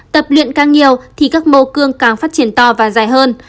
tập luyện càng nhiều thì các mô cương càng phát triển to và dài hơn